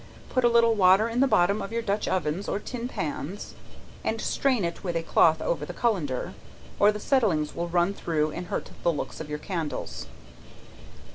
Put a little water in the bottom of your dutch ovens or tin pans, and strain it in with a cloth over the colander, or the settlings will run through and hurt the looks of your candles.